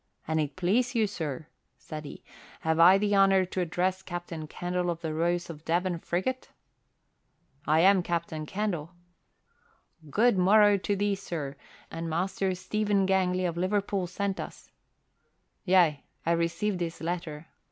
"An it please you, sir," said he, "have I the honour to address Captain Candle of the Rose of Devon frigate?" "I am Captain Candle." "Good morrow to thee, sir, and Master Stephen Gangley of Liverpool sent us " "Yea, I received his letter.